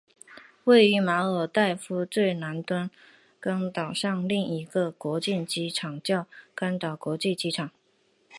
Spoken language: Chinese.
位于马尔代夫最南端甘岛上另一个国际机场叫甘岛国际机场。